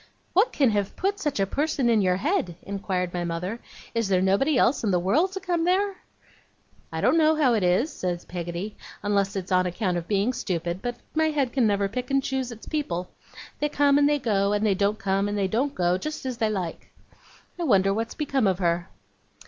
'What can have put such a person in your head?' inquired my mother. 'Is there nobody else in the world to come there?' 'I don't know how it is,' said Peggotty, 'unless it's on account of being stupid, but my head never can pick and choose its people. They come and they go, and they don't come and they don't go, just as they like. I wonder what's become of her?